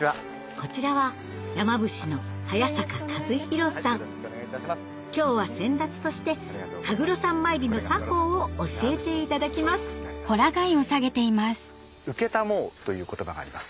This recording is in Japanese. こちらは今日は先達として羽黒山参りの作法を教えていただきますという言葉があります。